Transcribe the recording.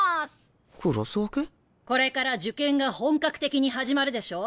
これから受験が本格的に始まるでしょ。